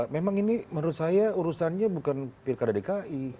memang ini menurut saya urusannya bukan pilkada dki